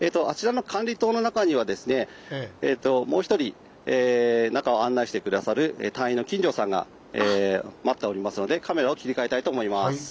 あちらの管理棟の中にはですねもう一人中を案内して下さる隊員の金城さんが待っておりますのでカメラを切り替えたいと思います。